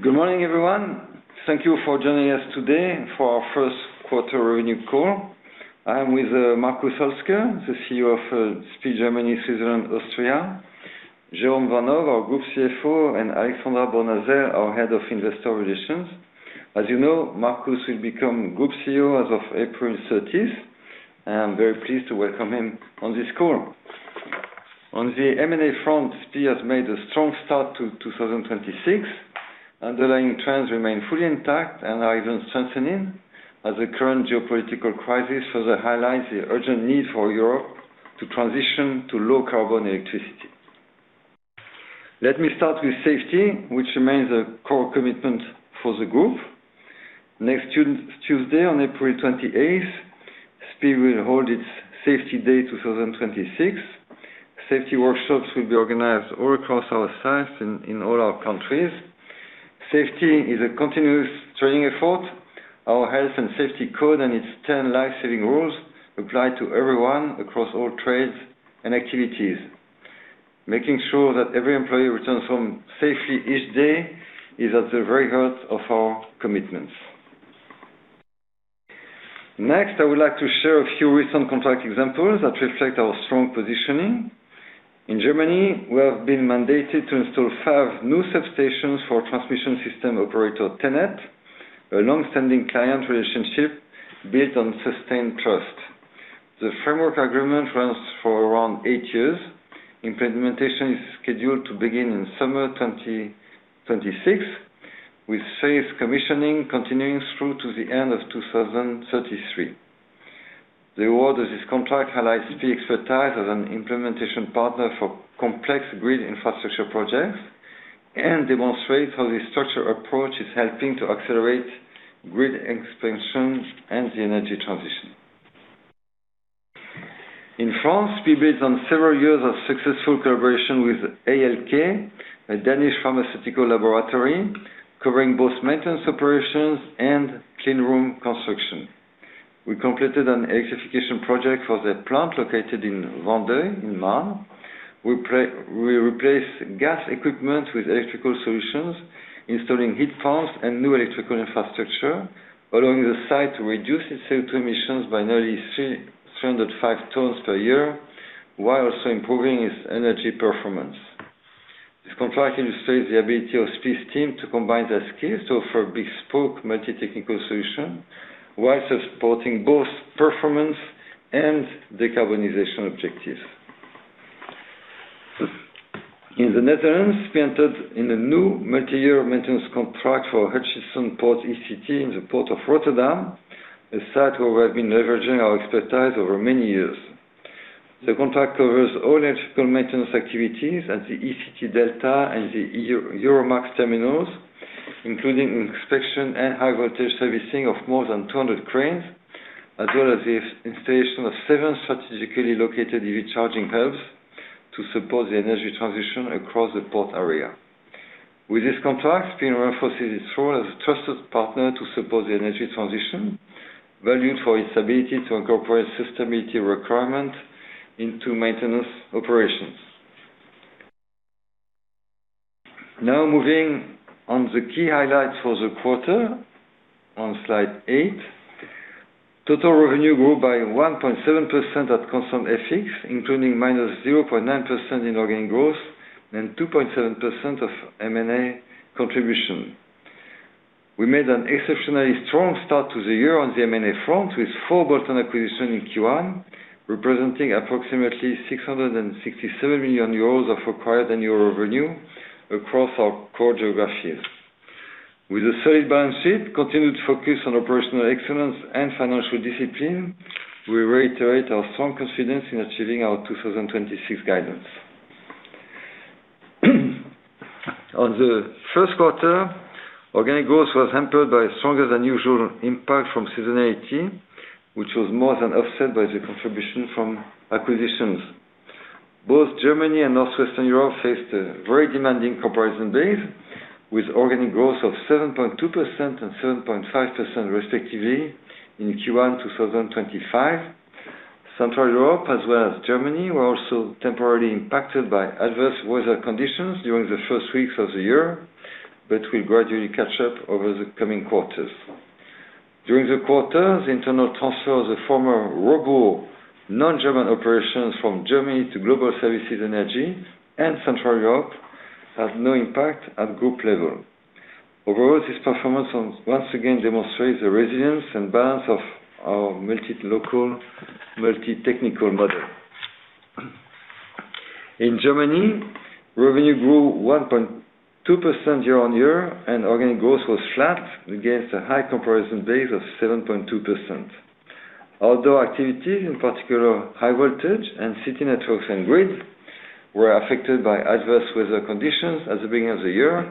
Good morning, everyone. Thank you for joining us today for our first quarter revenue call. I am with Markus Holzke, the CEO of SPIE Germany, Switzerland, Austria, Jérôme Vanhove, our Group CFO, and Alexandra Bournazel, our Head of Investor Relations. As you know, Markus will become Group CEO as of April 30th, and I'm very pleased to welcome him on this call. On the M&A front, SPIE has made a strong start to 2026. Underlying trends remain fully intact and are even strengthening, as the current geopolitical crisis further highlights the urgent need for Europe to transition to low-carbon electricity. Let me start with safety, which remains a core commitment for the Group. Next Tuesday, on April 28th, SPIE will hold its Safety Day 2026. Safety workshops will be organized all across our sites in all our countries. Safety is a continuous training effort. Our health and safety code and its 10 life-saving rules apply to everyone across all trades and activities. Making sure that every employee returns home safely each day is at the very heart of our commitments. Next, I would like to share a few recent contract examples that reflect our strong positioning. In Germany, we have been mandated to install five new substations for transmission system operator TenneT, a long-standing client relationship built on sustained trust. The framework agreement runs for around eight years. Implementation is scheduled to begin in summer 2026, with safe commissioning continuing through to the end of 2033. The award of this contract highlights the expertise as an implementation partner for complex grid infrastructure projects and demonstrates how this structural approach is helping to accelerate grid expansion and the energy transition. In France, we built on several years of successful collaboration with ALK, a Danish pharmaceutical laboratory, covering both maintenance operations and clean room construction. We completed an electrification project for their plant located in Vandeuil, in Marne. We replaced gas equipment with electrical solutions, installing heat pumps and new electrical infrastructure, allowing the site to reduce its CO2 emissions by nearly 305 tons per year, while also improving its energy performance. This contract illustrates the ability of SPIE's team to combine their skills to offer bespoke multi-technical solution, while supporting both performance and decarbonization objectives. In the Netherlands, we entered in a new multi-year maintenance contract for Hutchison Ports ECT in the port of Rotterdam, a site where we've been leveraging our expertise over many years. The contract covers all electrical maintenance activities at the ECT Delta and the Euromax terminals, including inspection and high voltage servicing of more than 200 cranes, as well as the installation of seven strategically located EV charging hubs to support the energy transition across the port area. With this contract, SPIE reinforces its role as a trusted partner to support the energy transition, valued for its ability to incorporate sustainability requirements into maintenance operations. Now, moving on to the key highlights for the quarter, on slide eight. Total revenue grew by 1.7% at constant FX, including -0.9% in organic growth and 2.7% of M&A contribution. We made an exceptionally strong start to the year on the M&A front, with four bolt-on acquisition in Q1, representing approximately 667 million euros of acquired in year-over-year across our core geographies. With a solid balance sheet, continued focus on operational excellence and financial discipline, we reiterate our strong confidence in achieving our 2026 guidance. On the first quarter, organic growth was hampered by stronger than usual impact from seasonality, which was more than offset by the contribution from acquisitions. Both Germany and Northwestern Europe faced a very demanding comparison base, with organic growth of 7.2% and 7.5% respectively in Q1 2025. Central Europe, as well as Germany, were also temporarily impacted by adverse weather conditions during the first weeks of the year, but will gradually catch up over the coming quarters. During the quarter, the internal transfer of the former ROBUR non-German operations from Germany to Global Services Energy and Central Europe had no impact at group level. Overall, this performance once again demonstrates the resilience and balance of our multi-local, multi-technical model. In Germany, revenue grew 1.2% year-on-year, and organic growth was flat against a high comparison base of 7.2%. Outdoor activity, in particular, high voltage and City Networks and grid, were affected by adverse weather conditions at the beginning of the year,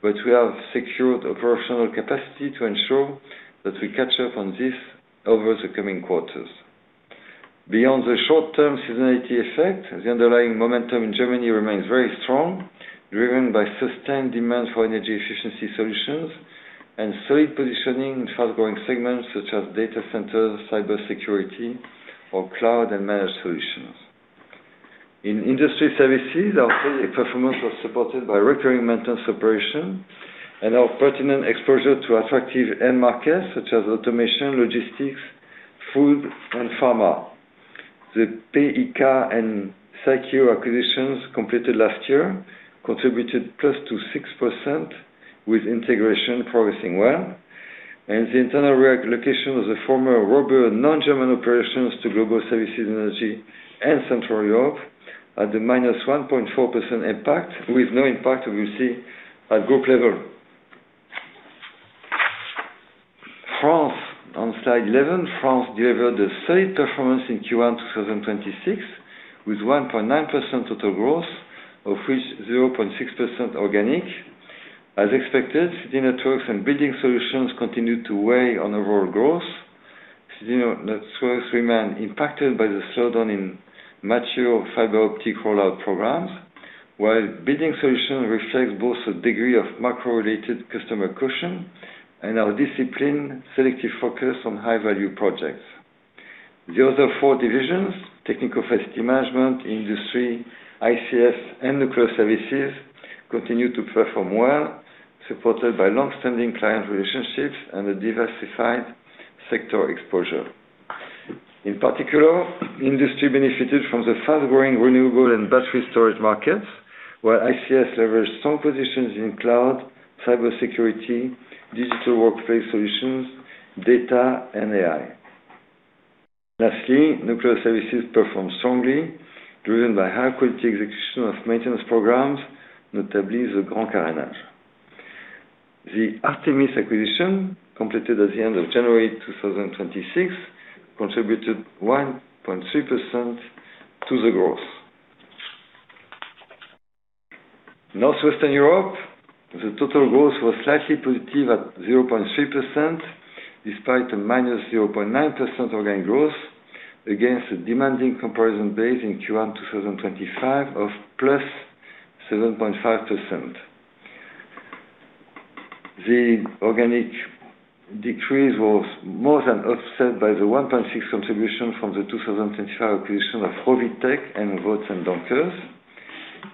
but we have secured operational capacity to ensure that we catch up on this over the coming quarters. Beyond the short-term seasonality effect, the underlying momentum in Germany remains very strong, driven by sustained demand for energy efficiency solutions and solid positioning in fast-growing segments such as data centers, cybersecurity, or cloud and managed solutions. In industry services, our performance was supported by recurring maintenance operation and our pertinent exposure to attractive end markets such as automation, logistics, food and pharma. The PIK and Cyqueo acquisitions completed last year contributed +6%, with integration progressing well, and the internal relocation of the former ROBUR non-German operations to Global Services Energy and Central Europe at the -1.4% impact, with no impact, obviously, at group level. France on slide 11. France delivered a solid performance in Q1 2026 with 1.9% total growth, of which 0.6% organic. As expected, City Networks and Building Solutions continued to weigh on overall growth. City Networks remain impacted by the slowdown in mature fiber optic rollout programs, while Building Solutions reflect both the degree of macro-related customer caution and our disciplined selective focus on high-value projects. The other four divisions, Technical Facility Management, Industry, ICS, and Nuclear Services, continue to perform well, supported by long-standing client relationships and a diversified sector exposure. In particular, industry benefited from the fast-growing renewable and battery storage markets, where ICS leveraged strong positions in cloud, cybersecurity, digital workplace solutions, data and AI. Lastly, nuclear services performed strongly, driven by high-quality execution of maintenance programs, notably the Grand Carénage. The Artemys acquisition, completed at the end of January 2026, contributed 1.3% to the growth. Northwestern Europe. The total growth was slightly positive at 0.3%, despite a -0.9% organic growth against a demanding comparison base in Q1 2025 of +7.5%. The organic decrease was more than offset by the 1.6% contribution from the 2025 acquisition of Rovitech and Voets & Donkers.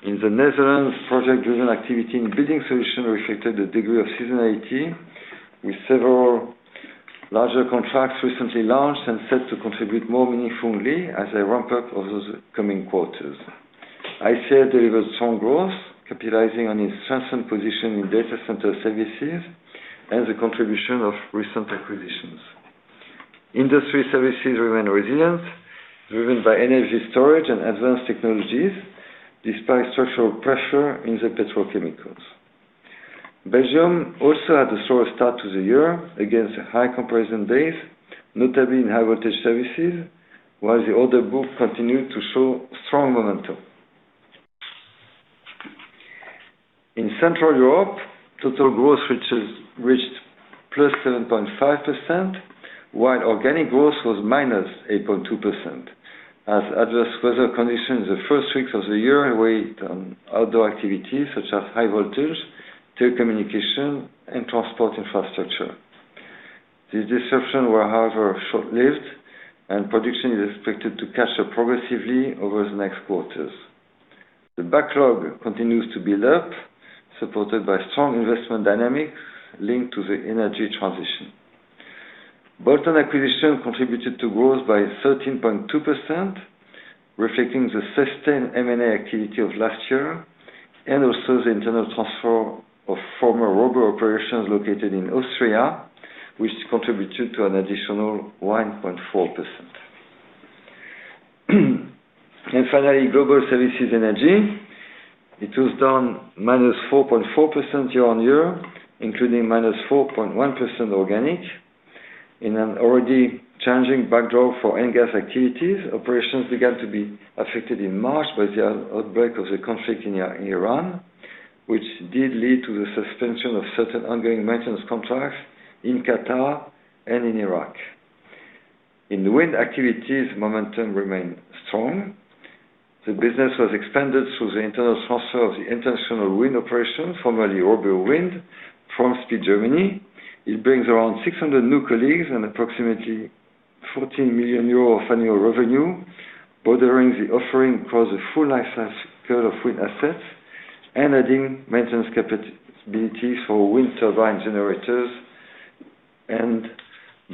In the Netherlands, project-driven activity and Building Solutions reflected the degree of seasonality, with several larger contracts recently launched and set to contribute more meaningfully as they ramp up over the coming quarters. ICS delivered strong growth, capitalizing on its strengthened position in data center services and the contribution of recent acquisitions. Industry services remain resilient, driven by energy storage and advanced technologies, despite structural pressure in the petrochemicals. Belgium also had a slower start to the year against a high comparison base, notably in high voltage services, while the order book continued to show strong momentum. In Central Europe, total growth reached +7.5%, while organic growth was -8.2%, as adverse weather conditions in the first weeks of the year weighed on outdoor activities such as high voltage, telecommunications, and transport infrastructure. The disruptions were, however, short-lived, and production is expected to catch up progressively over the next quarters. The backlog continues to build up, supported by strong investment dynamics linked to the energy transition. Bolt-on acquisition contributed to growth by 13.2%, reflecting the sustained M&A activity of last year and also the internal transfer of former ROBUR operations located in Austria, which contributed to an additional 1.4%. Finally, Global Services Energy. It was down -4.4% year-on-year, including -4.1% organic. In an already challenging backdrop for oil and gas activities, operations began to be affected in March by the outbreak of the conflict in Iran, which did lead to the suspension of certain ongoing maintenance contracts in Qatar and in Iraq. In wind activities, momentum remained strong. The business was expanded through the internal transfer of the international wind operations, formerly ROBUR Wind from SPIE Germany. It brings around 600 new colleagues and approximately 14 million euros of annual revenue, broadening the offering across the full life cycle of wind assets and adding maintenance capabilities for wind turbine generators and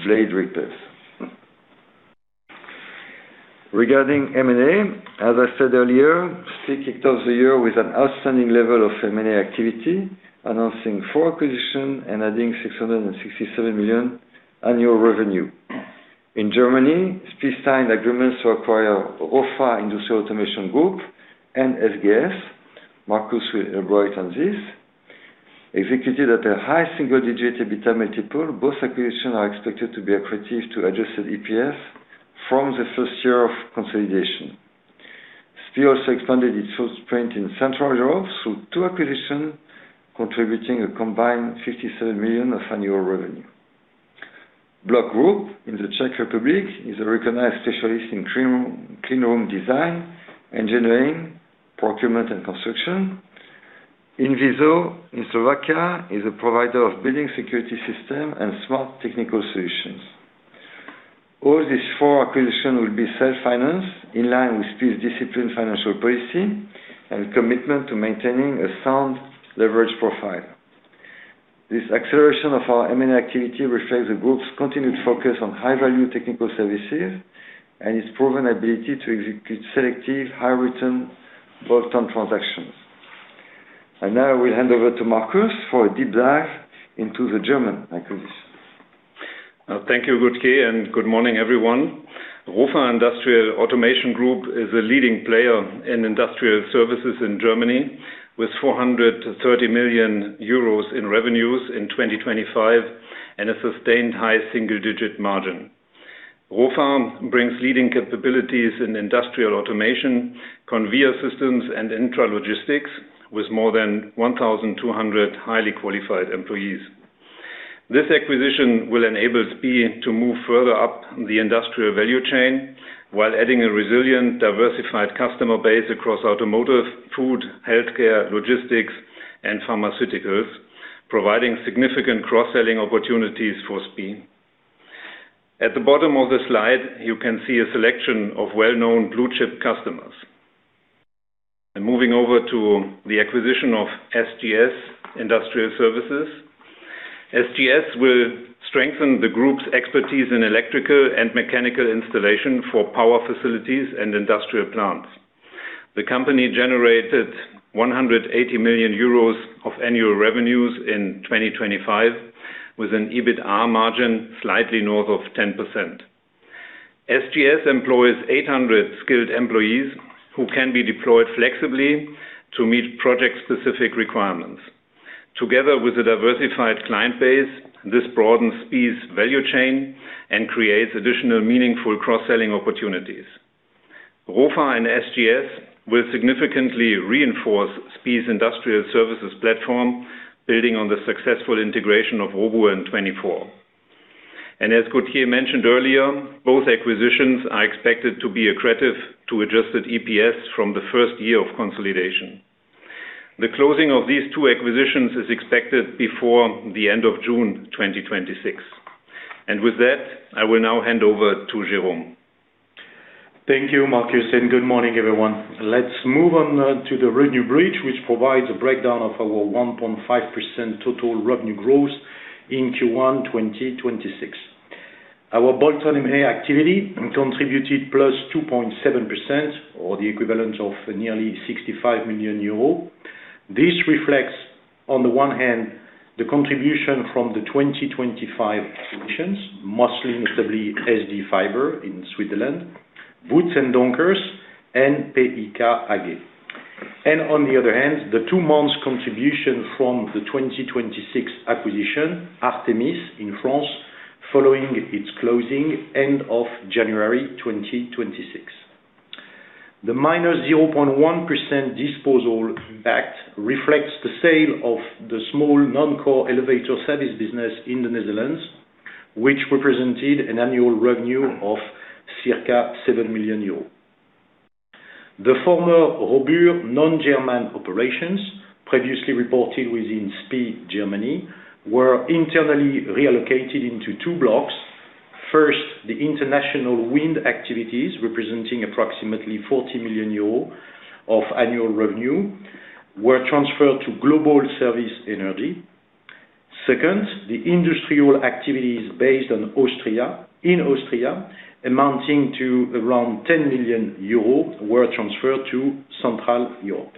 blade repairs. Regarding M&A, as I said earlier, SPIE kicked off the year with an outstanding level of M&A activity, announcing four acquisitions and adding 667 million annual revenue. In Germany, SPIE signed agreements to acquire ROFA Industrial Automation Group and SGS. Markus will elaborate on this. Executed at a high single-digit EBITDA multiple, both acquisitions are expected to be accretive to adjusted EPS from the first year of consolidation. SPIE also expanded its footprint in Central Europe through two acquisitions, contributing a combined 57 million of annual revenue. BLOCK Group in the Czech Republic is a recognized specialist in clean room design, engineering, procurement, and construction. INVISO in Slovakia is a provider of building security systems and smart technical solutions. All these four acquisitions will be self-financed, in line with SPIE's disciplined financial policy and commitment to maintaining a sound leverage profile. This acceleration of our M&A activity reflects the Group's continued focus on high-value technical services and its proven ability to execute selective high-return bolt-on transactions. Now I will hand over to Markus for a deep dive into the German acquisition. Thank you, Gauthier, and good morning, everyone. ROFA Industrial Automation Group is a leading player in industrial services in Germany, with 430 million euros in revenues in 2025 and a sustained high single-digit margin. ROFA brings leading capabilities in industrial automation, conveyor systems, and intralogistics, with more than 1,200 highly qualified employees. This acquisition will enable SPIE to move further up the industrial value chain while adding a resilient, diversified customer base across automotive, food, healthcare, logistics, and pharmaceuticals, providing significant cross-selling opportunities for SPIE. At the bottom of the slide, you can see a selection of well-known blue-chip customers. Moving over to the acquisition of SGS Industrial Services. SGS will strengthen the Group's expertise in electrical and mechanical installation for power facilities and industrial plants. The company generated 180 million euros of annual revenues in 2025, with an EBITA margin slightly north of 10%. SGS employs 800 skilled employees who can be deployed flexibly to meet project-specific requirements. Together with a diversified client base, this broadens SPIE's value chain and creates additional meaningful cross-selling opportunities. ROFA and SGS will significantly reinforce SPIE's industrial services platform, building on the successful integration of ROBUR in 2024. As Gauthier mentioned earlier, both acquisitions are expected to be accretive to adjusted EPS from the first year of consolidation. The closing of these two acquisitions is expected before the end of June 2026. With that, I will now hand over to Jérôme. Thank you, Markus, and good morning, everyone. Let's move on now to the revenue bridge, which provides a breakdown of our 1.5% total revenue growth in Q1 2026. Our bolt-on M&A activity contributed +2.7%, or the equivalent of nearly 65 million euros. This reflects, on the one hand, the contribution from the 2025 acquisitions, most notably SD Fiber in Switzerland, Voets & Donkers, and PIK AG. On the other hand, the two months contribution from the 2026 acquisition, Artemys in France, following its closing end of January 2026. The -0.1% disposal impact reflects the sale of the small non-core elevator service business in the Netherlands, which represented an annual revenue of circa 7 million euros. The former ROBUR non-German operations, previously reported within SPIE Germany, were internally reallocated into two blocks. First, the international wind activities, representing approximately 40 million euros of annual revenue, were transferred to Global Services Energy. Second, the industrial activities based in Austria amounting to around 10 million euros were transferred to Central Europe.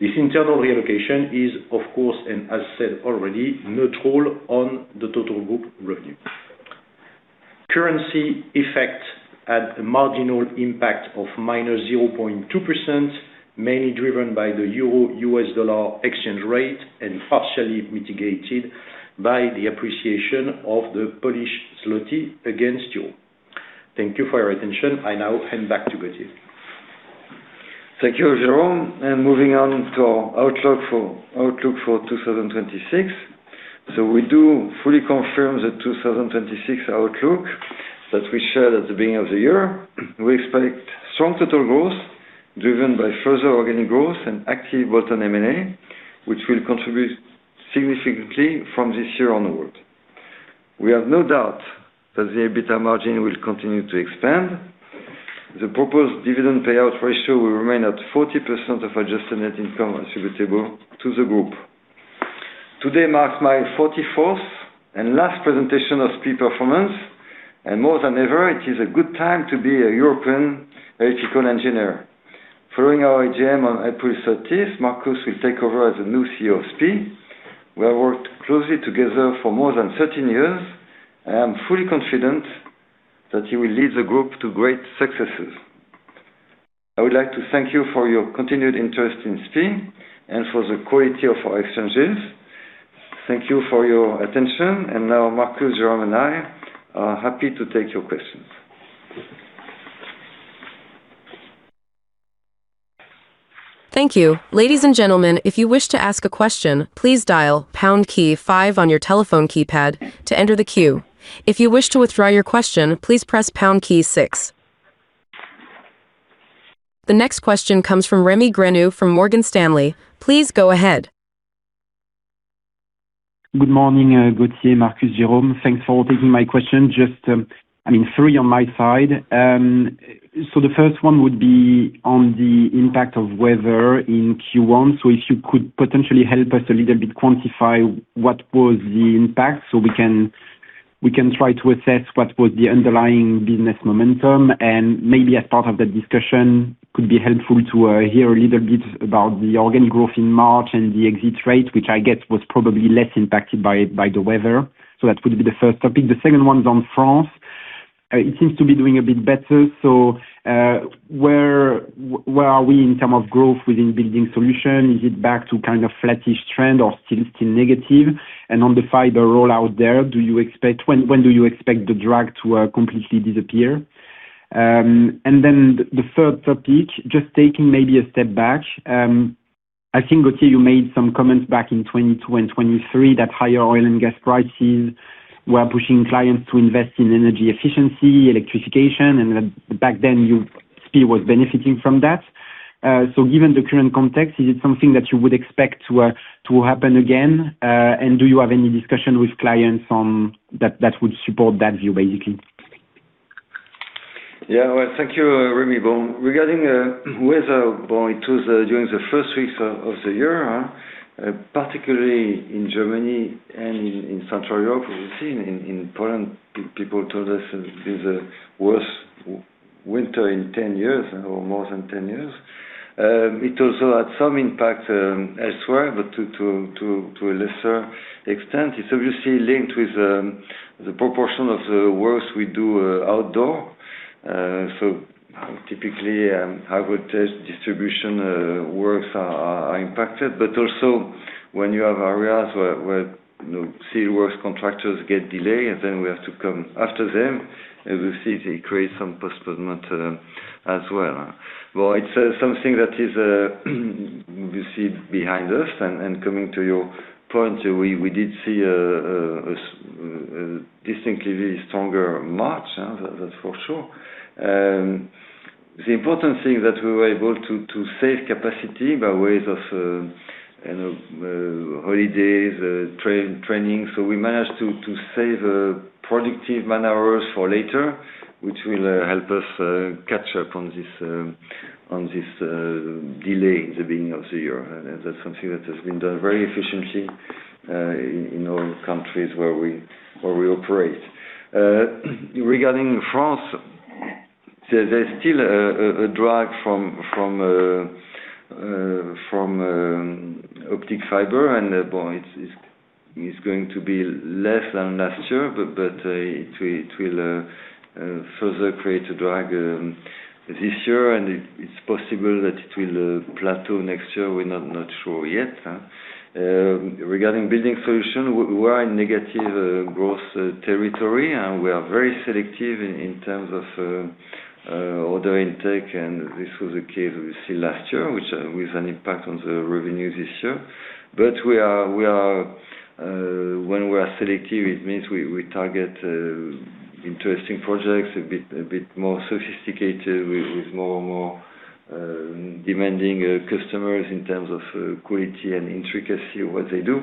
This internal reallocation is of course, and as said already, neutral on the total group revenue. Currency effect had a marginal impact of -0.2%, mainly driven by the euro-US dollar exchange rate and partially mitigated by the appreciation of the Polish zloty against euro. Thank you for your attention. I now hand back to Gauthier. Thank you, Jérôme, and moving on to our outlook for 2026. We do fully confirm the 2026 outlook that we shared at the beginning of the year. We expect strong total growth driven by further organic growth and active bolt-on M&A, which will contribute significantly from this year onward. We have no doubt that the EBITA margin will continue to expand. The proposed dividend payout ratio will remain at 40% of adjusted net income attributable to the Group. Today marks my 44th and last presentation of SPIE performance, and more than ever, it is a good time to be a European electrical engineer. Following our AGM on April 30th, Markus will take over as the new CEO of SPIE. We have worked closely together for more than 13 years. I am fully confident that he will lead the Group to great successes. I would like to thank you for your continued interest in SPIE and for the quality of our exchanges. Thank you for your attention. Now Markus, Jérôme, and I are happy to take your questions. Thank you. Ladies and gentlemen, if you wish to ask a question, please dial pound key five on your telephone keypad to enter the queue. If you wish to withdraw your question, please press pound key six. The next question comes from Rémi Grenu from Morgan Stanley. Please go ahead. Good morning, Gauthier, Markus, Jérôme. Thanks for taking my question. Just three on my side. The first one would be on the impact of weather in Q1. If you could potentially help us a little bit quantify what was the impact so we can try to assess what was the underlying business momentum, and maybe as part of that discussion could be helpful to hear a little bit about the organic growth in March and the exit rate, which I get was probably less impacted by the weather. That would be the first topic. The second one's on France. It seems to be doing a bit better. Where are we in terms of growth within Building Solutions? Is it back to kind of flattish trend or still negative? And on the fiber rollout there, when do you expect the drag to completely disappear? Then the third topic, just taking maybe a step back. I think, Gauthier, you made some comments back in 2022 and 2023 that higher oil and gas prices were pushing clients to invest in energy efficiency, electrification, and back then, SPIE was benefiting from that. Given the current context, is it something that you would expect to happen again? Do you have any discussion with clients that would support that view, basically? Yeah. Well, thank you, Rémi Grenu. Regarding weather, well, it was during the first weeks of the year, particularly in Germany and in Central Europe. We've seen in Poland, people told us it is the worst winter in 10 years or more than 10 years. It also had some impact elsewhere, but to a lesser extent. It's obviously linked with the proportion of the works we do outdoors. Typically, high voltage distribution works are impacted, but also when you have areas where civil works contractors get delayed, and then we have to come after them, as you see, they create some postponement to them as well. Well, it's something that is you see behind us and coming to your point, we did see a distinctly really stronger March, that's for sure. The important thing that we were able to save capacity by way of holidays, training. We managed to save productive man-hours for later, which will help us catch up on this delay at the beginning of the year. That's something that has been done very efficiently in all countries where we operate. Regarding France, there's still a drag from optic fiber, and it's going to be less than last year, but it will further create a drag this year, and it's possible that it will plateau next year. We're not sure yet. Regarding Building Solutions, we are in negative growth territory, and we are very selective in terms of order intake, and this was the case we see last year, with an impact on the revenue this year. When we are selective, it means we target interesting projects, a bit more sophisticated, with more demanding customers in terms of quality and intricacy of what they do.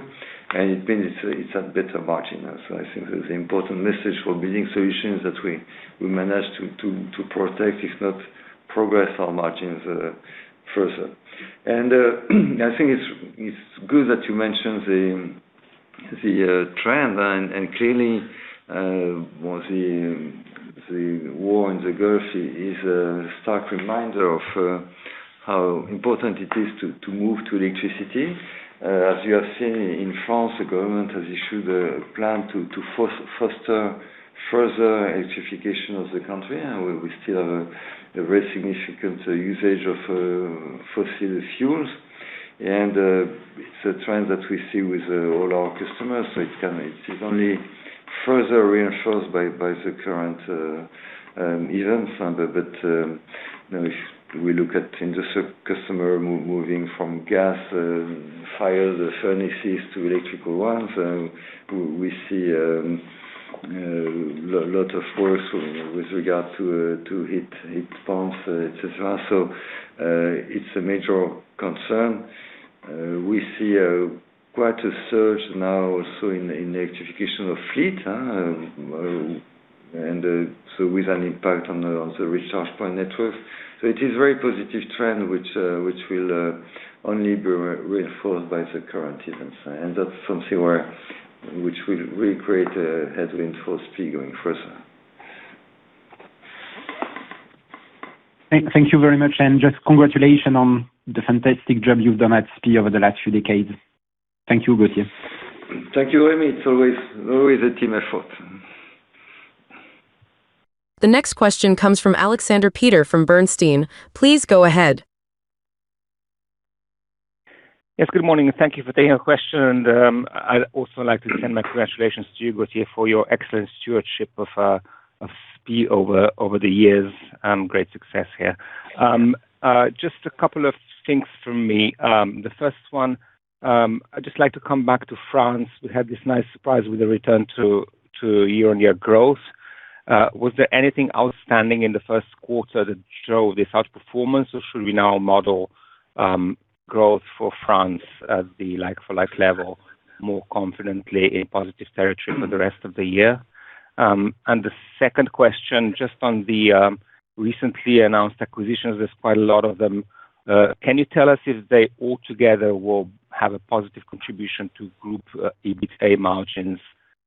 It means it's a better margin also. I think that's the important message for Building Solutions that we managed to protect, if not progress our margins further. I think it's good that you mentioned the trend, and clearly, well, the war in the Gulf is a stark reminder of how important it is to move to electricity. As you have seen in France, the government has issued a plan to foster further electrification of the country, and we still have a very significant usage of fossil fuels. It's a trend that we see with all our customers, so it is only further reinforced by the current events. If we look at the customer moving from gas fired furnaces to electrical ones, we see a lot of work with regard to heat pumps, et cetera. It's a major concern. We see quite a surge now also in electrification of fleet with an impact on the recharge point network. It is very positive trend, which will only be reinforced by the current events. That's something which will really create a tailwind for SPIE going forward. Thank you very much, and just congratulations on the fantastic job you've done at SPIE over the last few decades. Thank you, Gauthier. Thank you, Rémi It's always a team effort. The next question comes from Alexander Peterc from Bernstein. Please go ahead. Yes, good morning, and thank you for taking our question, and I'd also like to send my congratulations to you, Gauthier, for your excellent stewardship of SPIE over the years, and great success here. Just a couple of things from me. The first one, I'd just like to come back to France. We had this nice surprise with the return to year-over-year growth. Was there anything outstanding in the first quarter that showed this outperformance, or should we now model growth for France at the like-for-like level more confidently in positive territory for the rest of the year? The second question, just on the recently announced acquisitions, there's quite a lot of them. Can you tell us if they all together will have a positive contribution to Group EBITDA margins,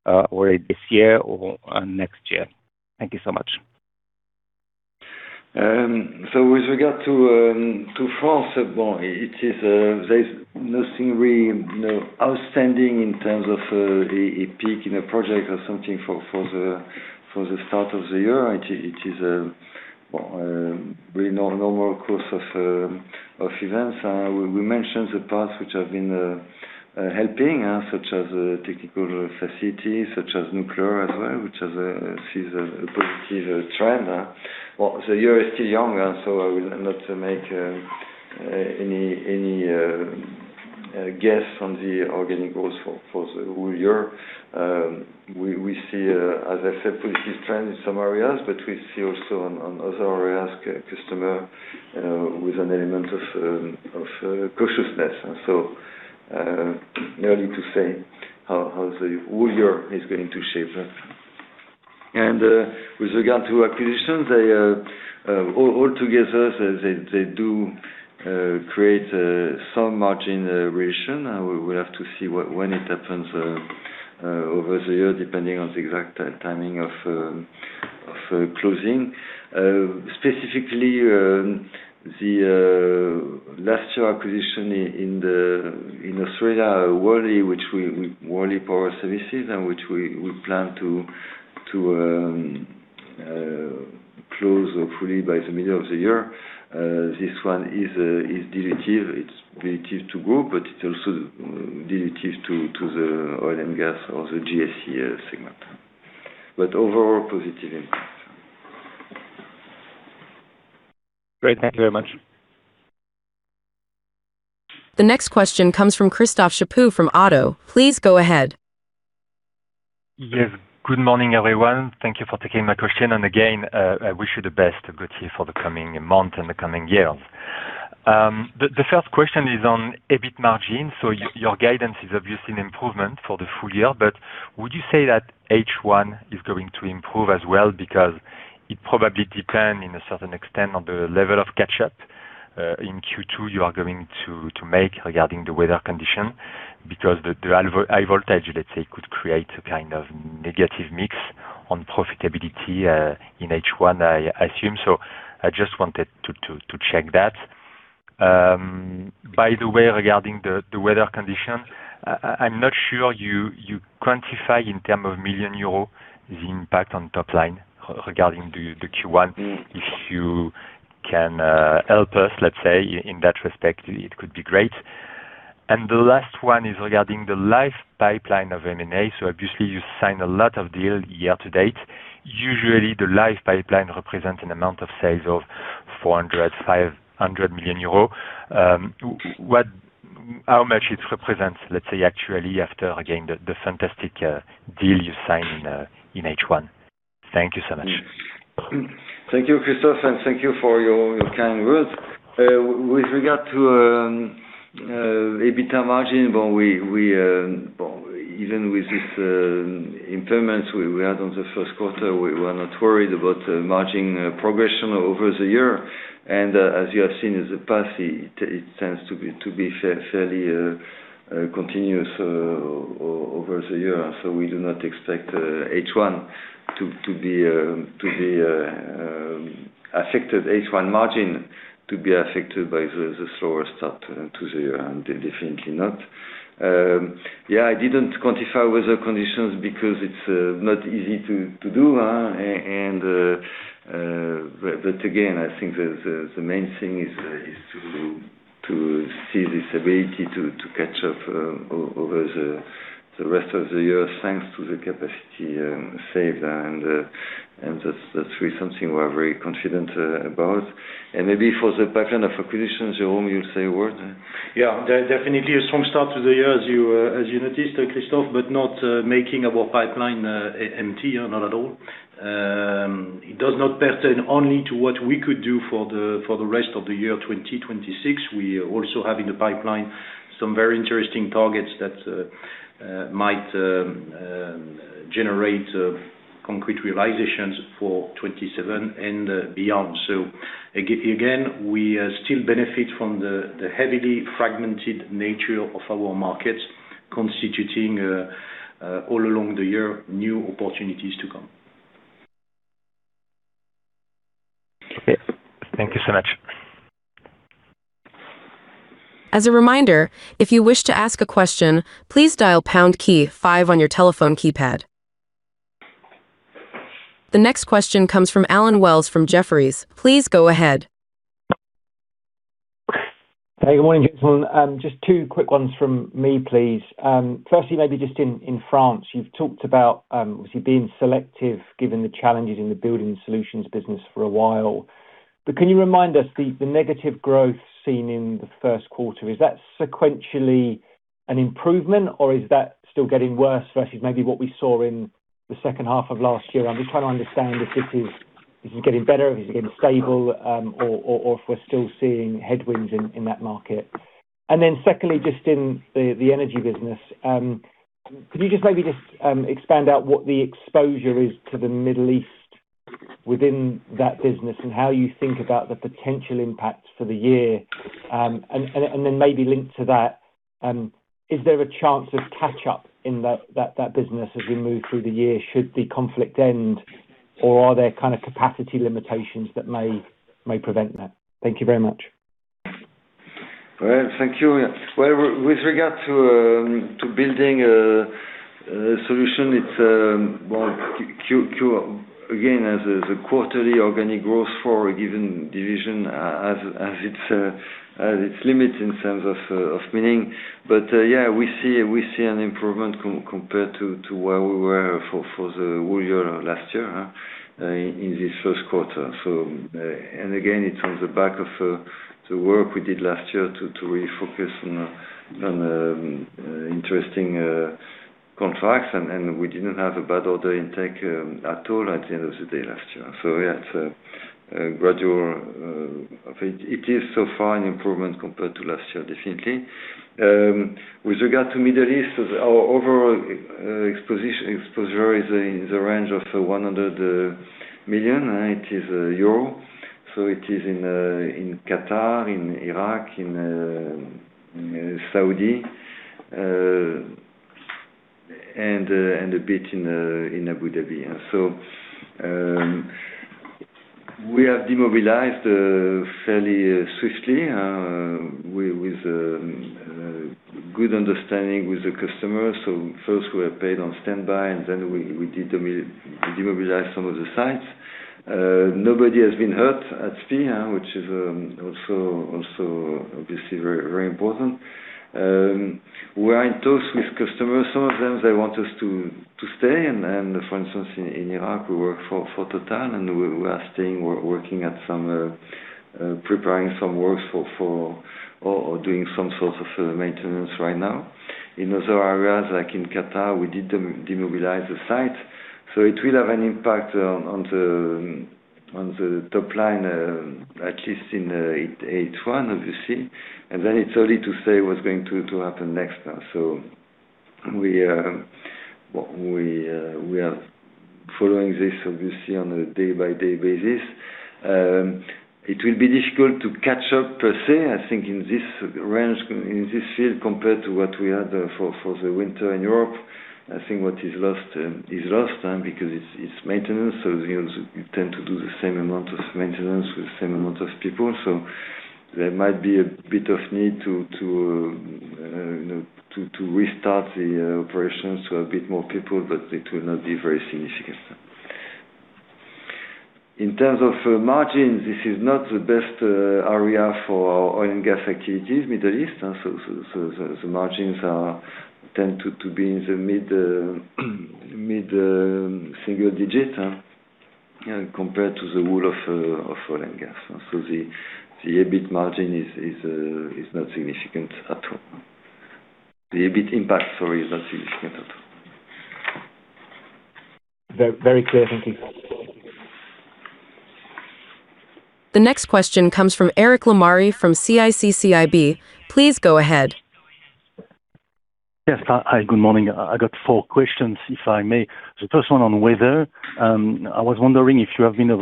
or this year or next year? Thank you so much. With regard to France, there is nothing really outstanding in terms of the peak in a project or something for the start of the year. It is a really normal course of events. We mentioned the parts which have been helping, such as technical facilities, such as nuclear as well, which sees a positive trend. Well, the year is still young, and so I will not make any guess on the organic growth for the whole year. We see, as I said, positive trends in some areas, but we see also on other areas, customers with an element of cautiousness. Early to say how the whole year is going to shape up. With regard to acquisitions, they all together, they do create some margin dilution. We will have to see when it happens over the year, depending on the exact timing of closing. Specifically, the last year acquisition in Australia, Worley Power Services and which we plan to close hopefully by the middle of the year. This one is dilutive. It's dilutive to grow, but it's also dilutive to the oil and gas or the GSE segment. Overall positive impact. Great. Thank you very much. The next question comes from Christophe Chaput from Oddo. Please go ahead. Yes. Good morning, everyone. Thank you for taking my question. Again, I wish you the best, Gauthier, for the coming month and the coming years. The first question is on EBIT margin. Your guidance is obviously an improvement for the full year, but would you say that H1 is going to improve as well? Because it probably depend in a certain extent on the level of catch-up in Q2, you are going to make regarding the weather condition because the high voltage, let's say, could create a kind of negative mix on profitability, in H1, I assume. I just wanted to check that. By the way, regarding the weather condition, I'm not sure you quantify in terms of million euros the impact on top line regarding the Q1. If you can help us, let's say, in that respect, it could be great. The last one is regarding the live pipeline of M&A. Obviously you sign a lot of deals year to date. Usually the live pipeline represents an amount of sales of 400 million-500 million euro. How much it represents, let's say actually after, again, the fantastic deal you sign in H1. Thank you so much. Thank you, Christophe, and thank you for your kind words. With regard to EBITDA margin, even with this impairment we had on the first quarter, we were not worried about margin progression over the year. As you have seen in the past, it tends to be fairly continuous over the year. We do not expect H1 margin to be affected by the slower start to the year, definitely not. Yeah, I didn't quantify weather conditions because it's not easy to do. Again, I think the main thing is to see this ability to catch up over the rest of the year, thanks to the capacity saved. That's something we're very confident about. Maybe for the pipeline of acquisitions, Jérôme, you'll say a word. Yeah, there was definitely a strong start to the year as you noticed, Christophe, but not making our pipeline empty. Not at all. It does not pertain only to what we could do for the rest of the year 2026. We also have in the pipeline some very interesting targets that might generate concrete realizations for 2027 and beyond. Again, we still benefit from the heavily fragmented nature of our markets constituting all along the year, new opportunities to come. Okay. Thank you so much. As a reminder, if you wish to ask a question, please dial pound key five on your telephone keypad. The next question comes from Allen Wells from Jefferies. Please go ahead. Hey, good morning, gentlemen. Just two quick ones from me, please. Firstly, maybe just in France, you've talked about obviously being selective, given the challenges in the Building Solutions business for a while. Can you remind us, the negative growth seen in the first quarter, is that sequentially an improvement or is that still getting worse versus maybe what we saw in the second half of last year? I'm just trying to understand if this is getting better, if it's getting stable, or if we're still seeing headwinds in that market. Secondly, just in the energy business, could you just maybe expand out what the exposure is to the Middle East within that business and how you think about the potential impacts for the year? Maybe linked to that, is there a chance of catch-up in that business as we move through the year should the conflict end, or are there capacity limitations that may prevent that? Thank you very much. Well, thank you. With regard to Building Solutions, again, as the quarterly organic growth for a given division has its limits in terms of meaning. Yeah, we see an improvement compared to where we were for the whole year last year in this first quarter. Again, it's on the back of the work we did last year to refocus on interesting contracts, and we didn't have a bad order intake at all at the end of the day last year. It's a gradual improvement so far compared to last year, definitely. With regard to Middle East, our overall exposure is in the range of 100 million. It is in Qatar, in Iraq, in Saudi, and a bit in Abu Dhabi. We have demobilized fairly swiftly, with good understanding with the customers. First we are paid on standby, and then we did demobilize some of the sites. Nobody has been hurt at SPIE, which is also obviously very important. We are in talks with customers. Some of them, they want us to stay, and for instance, in Iraq, we work for Total, and we are staying, working at preparing some works or doing some sort of maintenance right now. In other areas, like in Qatar, we did demobilize the site. It will have an impact on the top line, at least in H1, obviously. Then it's early to say what's going to happen next now. We are following this, obviously, on a day-by-day basis. It will be difficult to catch up per se, I think in this range, in this field, compared to what we had for the winter in Europe. I think what is lost is lost because it's maintenance, so you tend to do the same amount of maintenance with the same amount of people. There might be a bit of need to restart the operations to a bit more people, but it will not be very significant. In terms of margins, this is not the best area for oil and gas activities, Middle East. The margins tend to be in the mid-single-digit compared to the whole of oil and gas. The EBIT margin is not significant at all. The EBIT impact, sorry, is not significant at all. Very clear. Thank you. The next question comes from Eric Lemarié from CIC CIB. Please go ahead. Yes. Hi, good morning. I got four questions, if I may. The first one on weather. I was wondering if you have been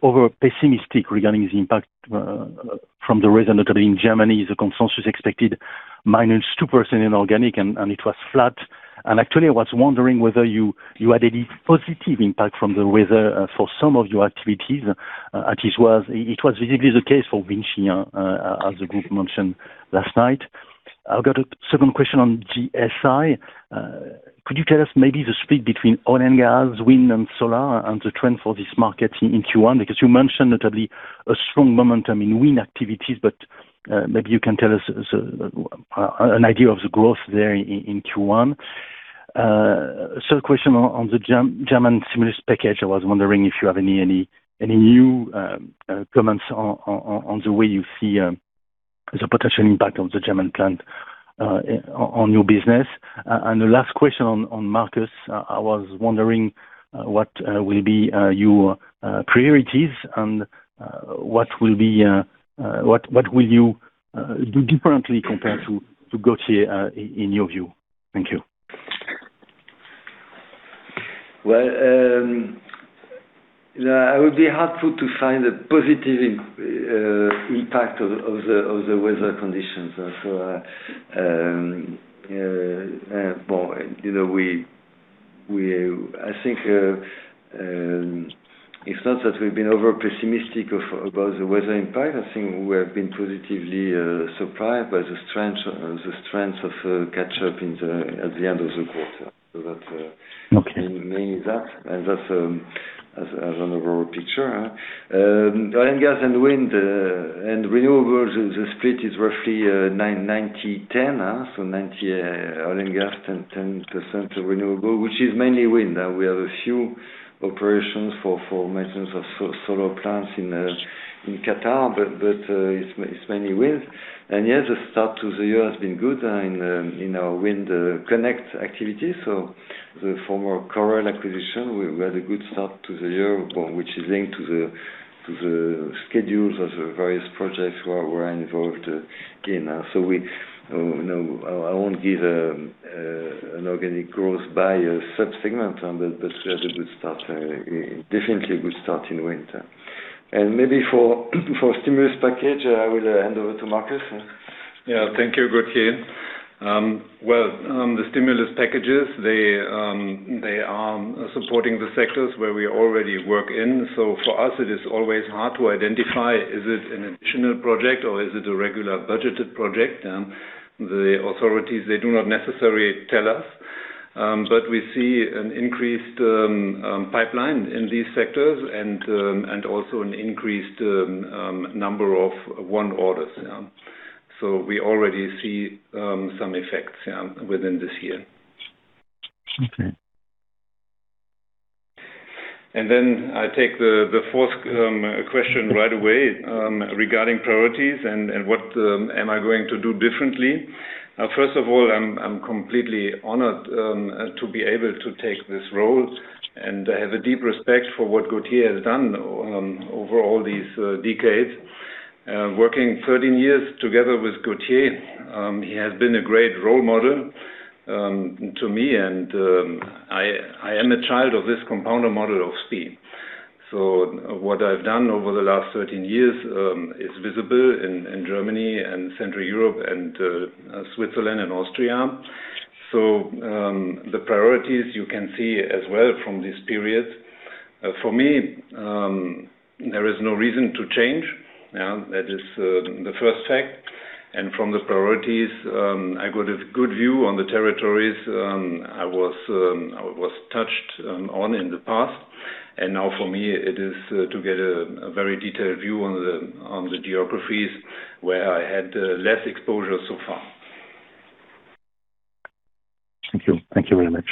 over-pessimistic regarding the impact from the rain, notably in Germany, the consensus expected -2% inorganic, and it was flat. Actually, I was wondering whether you had any positive impact from the weather for some of your activities. At least it was visibly the case for VINCI, as the group mentioned last night. I've got a second question on GSE. Could you tell us maybe the split between oil and gas, wind and solar, and the trend for this market in Q1? Because you mentioned notably a strong momentum in wind activities, but maybe you can tell us an idea of the growth there in Q1. Third question on the German stimulus package, I was wondering if you have any new comments on the way you see the potential impact of the German plan on your business. The last question on Markus, I was wondering what will be your priorities and what will you do differently compared to Gauthier, in your view. Thank you. Well, it would be helpful to find a positive impact of the weather conditions. I think it's not that we've been over-pessimistic about the weather impact. I think we have been positively surprised by the strength of catch-up at the end of the quarter. Okay. Mainly that, and that's as an overall picture. Oil and gas and wind and renewables, the split is roughly 90/10. 90 oil and gas, 10% renewable, which is mainly wind. We have a few operations for maintenance of solar plants in Qatar, but it's mainly wind. Yeah, the start to the year has been good in our wind connect activity. The former Correll acquisition, we had a good start to the year, which is linked to the schedules of the various projects where we're involved in. I won't give an organic growth by subsegment, but we had a definitely good start in wind. Maybe for stimulus package, I will hand over to Markus. Yeah, thank you, Gauthier. Well, the stimulus packages, they are supporting the sectors where we already work in. For us it is always hard to identify is it an additional project or is it a regular budgeted project? The authorities, they do not necessarily tell us. We see an increased pipeline in these sectors and also an increased number of new orders. We already see some effects within this year. Okay. I take the fourth question right away regarding priorities and what am I going to do differently. First of all, I'm completely honored to be able to take this role, and I have a deep respect for what Gauthier has done over all these decades. Working 13 years together with Gauthier, he has been a great role model to me, and I am a child of this compounder model of SPIE. What I've done over the last 13 years is visible in Germany and Central Europe and Switzerland and Austria. The priorities you can see as well from this period. For me, there is no reason to change. That is the first fact. From the priorities, I got a good view on the territories I was touched on in the past. Now for me, it is to get a very detailed view on the geographies where I had less exposure so far. Thank you. Thank you very much.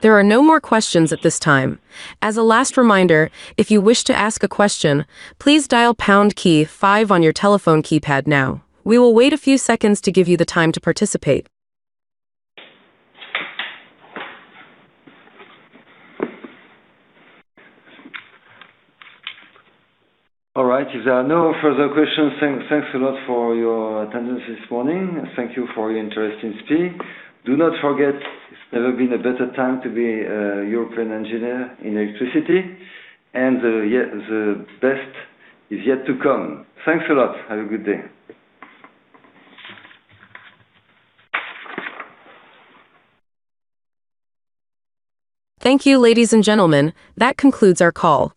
There are no more questions at this time. As a last reminder, if you wish to ask a question, please dial pound key five on your telephone keypad now. We will wait a few seconds to give you the time to participate. All right. If there are no further questions, thanks a lot for your attendance this morning. Thank you for your interest in SPIE. Do not forget, it's never been a better time to be a European engineer in electricity. The best is yet to come. Thanks a lot. Have a good day. Thank you, ladies and gentlemen. That concludes our call.